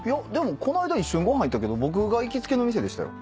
こないだ一緒にご飯行ったけど僕が行きつけの店でしたよ。